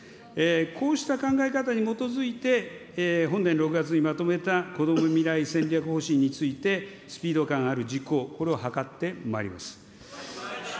こうした考え方に基づいて、本年６月にまとめたこども未来戦略方針について、スピード感ある実行、これをはかってまいります。